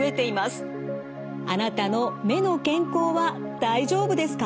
あなたの目の健康は大丈夫ですか？